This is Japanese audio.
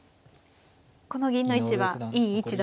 この銀の位置はいい位置だと。